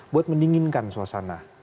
buat mendinginkan suasana